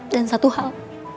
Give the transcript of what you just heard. dan satu hal